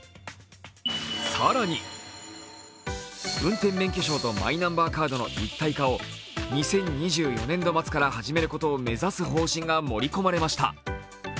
更に運転免許証とマイナンバーカードの一体化を２０２４年度末から始めることを目指す方針が盛り込まれました。